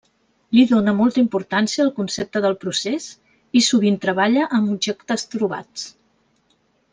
Li dóna molta importància al concepte del procés, i sovint treballa amb objectes trobats.